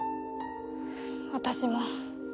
私も。